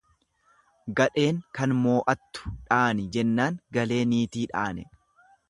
Gadheen kan mo'attu dhaani, jennaan galee nitii dhaane.